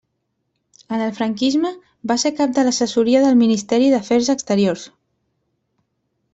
En el franquisme, va ser cap de l'assessoria del Ministeri d'afers exteriors.